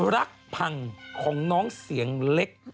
รักพังของน้องเสียงเล็ก